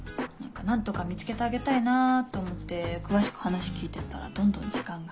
何とか見つけてあげたいなぁと思って詳しく話聞いてったらどんどん時間が。